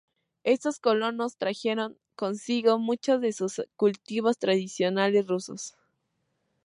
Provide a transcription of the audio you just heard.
Estos colonos trajeron consigo muchos de sus cultivos tradicionales rusos.